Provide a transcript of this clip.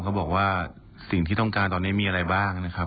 เขาบอกว่าสิ่งที่ต้องการตอนนี้มีอะไรบ้างนะครับ